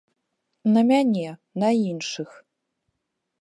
На мяне, на іншых.